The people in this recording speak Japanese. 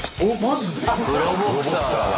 プロボクサーだ！